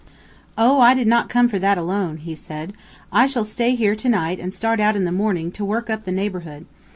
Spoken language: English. "Oh, I did not come for that alone," he said. "I shall stay here to night and start out in the morning to work up the neighborhood.